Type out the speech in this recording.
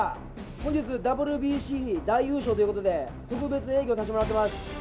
本日、ＷＢＣ大優勝ということで、特別営業させてもらってます。